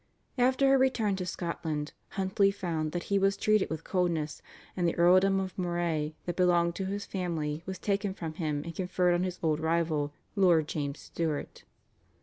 After her return to Scotland Huntly found that he was treated with coldness, and the earldom of Moray that belonged to his family was taken from him and conferred on his old rival, Lord James Stuart.